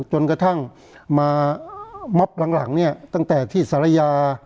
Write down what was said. จนกระทั่งมามอบหลังเนี่ยตั้งแต่ที่ศาลายา